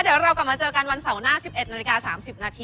เดี๋ยวเรากลับมาเจอกันวันเสาร์หน้า๑๑น๓๐น